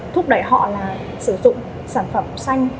thúc đẩy họ là sử dụng sản phẩm xanh